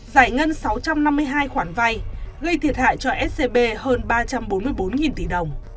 giải ngân sáu trăm năm mươi hai khoản vay gây thiệt hại cho scb hơn ba trăm bốn mươi bốn tỷ đồng